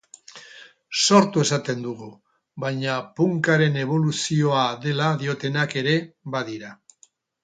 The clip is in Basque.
Sortu esaten dugu, baina Punkaren eboluzioa dela diotenak ere badira.